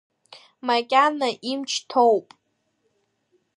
Макьана имч ҭоуп.